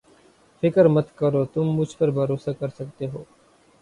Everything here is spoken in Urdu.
فکر مت کرو تم مجھ پر بھروسہ کر سکتے ہو